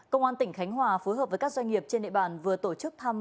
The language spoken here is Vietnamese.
công an tỉnh khánh hòa phối hợp với các doanh nghiệp trên địa bàn vừa tổ chức thăm